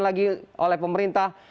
lagi oleh pemerintah